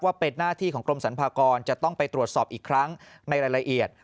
เป็นหน้าที่ของกรมสรรพากรจะต้องไปตรวจสอบอีกครั้งในรายละเอียด